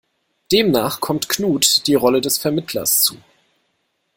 Demnach kommt Knut die Rolle des Vermittlers zu.